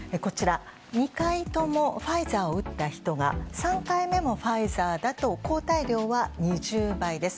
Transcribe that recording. ２回ともファイザーを打った人が３回目もファイザーだと抗体量は２０倍です。